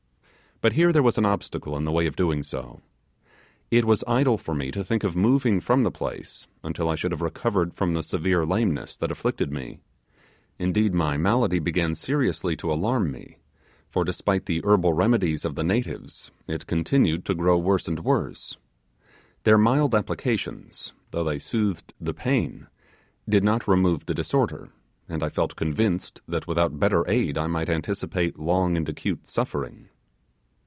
But here there was an obstacle in the way of doing so. It was idle for me to think of moving from the place until I should have recovered from the severe lameness that afflicted me; indeed my malady began seriously to alarm me; for, despite the herbal remedies of the natives, it continued to grow worse and worse. Their mild applications, though they soothed the pain, did not remove the disorder, and I felt convinced that without better aid I might anticipate long and acute suffering.